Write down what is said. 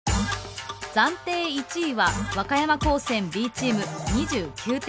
暫定１位は和歌山高専Ｂチーム２９点。